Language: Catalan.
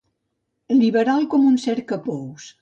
Liberal com un cercapous.